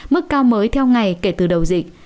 mức cao mới theo ngày kể từ đầu dịch